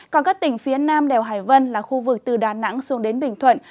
còn các tỉnh phía nam đèo hải vân là khu vực từ đà nẵng xuống đến bình thuận